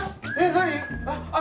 何？